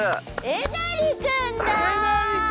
えなり君！